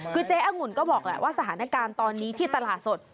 คือเจ๊อังุ่นก็บอกแหละว่าสถานการณ์ตอนนี้ที่ตลาดสด